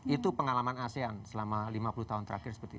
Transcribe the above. itu pengalaman asean selama lima puluh tahun terakhir seperti itu